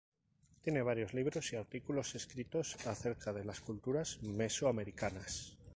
Tiene varios libros y artículos escritos acerca de las culturas mesoamericanas.